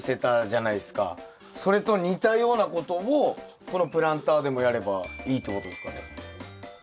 それと似たようなことをこのプランターでもやればいいってことですかね？